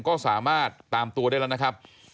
ก็สามารถตามตัวได้แล้วนะครับ